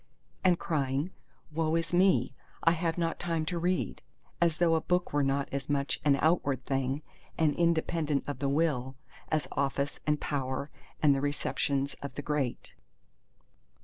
_ and crying, Woe is me, I have not time to read! As though a book were not as much an outward thing and independent of the will, as office and power and the receptions of the great.